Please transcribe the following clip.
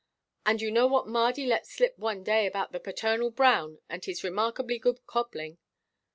And you know what Mardy let slip one day about the parental Brown and his remarkably good cobbling!